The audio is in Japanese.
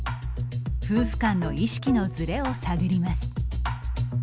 夫婦間の意識のずれを探ります。